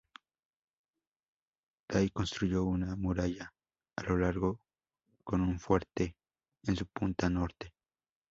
Day construyó una muralla a lo largo con un fuerte en su punta norte.